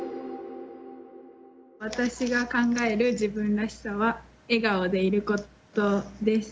私が考える自分らしさは「笑顔でいること」です。